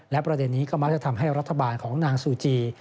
และประเด็นนี้ก็มักจะทำให้รัฐบาลของนางซูจี